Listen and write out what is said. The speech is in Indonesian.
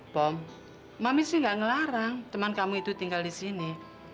bom mami sih gak ngelarang teman kamu itu tinggal di sini